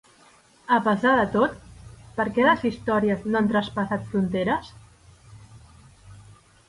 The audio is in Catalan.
A pesar de tot, per què les històries no han traspassat fronteres?